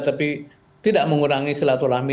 tapi tidak mengurangi silaturahmi